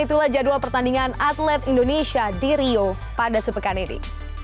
itulah jadwal pertandingan atlet indonesia di rio pada sepekan ini